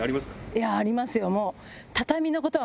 いやありますよ